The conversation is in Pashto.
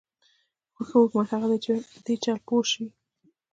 خو ښه حکومت هغه دی چې په دې چل پوه شي.